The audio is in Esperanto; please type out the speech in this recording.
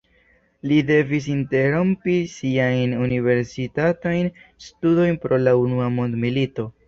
Li devis interrompi siajn universitatajn studojn pro la unua mondmilito.